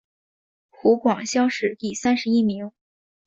湖广乡试第三十一名。